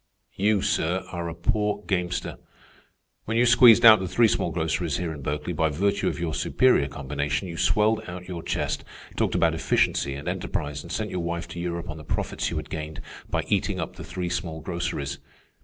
"You, sir, are a poor gamester. When you squeezed out the three small groceries here in Berkeley by virtue of your superior combination, you swelled out your chest, talked about efficiency and enterprise, and sent your wife to Europe on the profits you had gained by eating up the three small groceries.